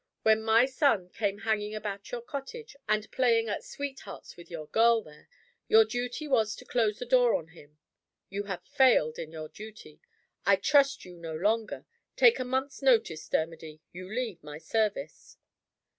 When my son came hanging about your cottage, and playing at sweethearts with your girl there, your duty was to close the door on him. You have failed in your duty. I trust you no longer. Take a month's notice, Dermody. You leave my service."